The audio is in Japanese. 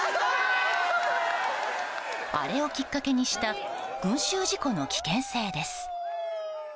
アレをきっかけにした群衆事故の危険性です。